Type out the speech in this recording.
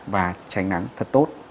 và tránh nắng thật tốt